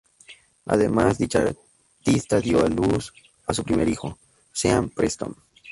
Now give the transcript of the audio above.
Además dicha artista dio a luz a su primer hijo, Sean Preston.